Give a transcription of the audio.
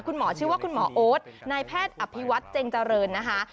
คุณหมอคุณหมอโอ๊ทนายแพทย์อภิวัตเจ้งเจริญนะคะ